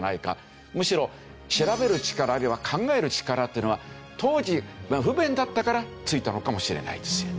むしろ調べる力考える力というのは当時不便だったからついたのかもしれないです。